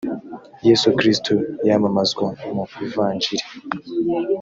yesu kristo yamamazwa mu ivanjili